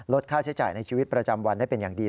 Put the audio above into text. ค่าใช้จ่ายในชีวิตประจำวันได้เป็นอย่างดี